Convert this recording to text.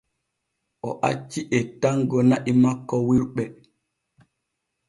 O acci ettango na’i makko wirɓe.